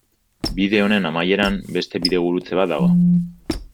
Bide honen amaieran, beste bidegurutze bat dago.